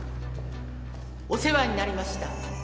お世話になりました。